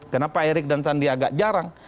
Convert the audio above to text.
kenapa erik dan sandi agak jarang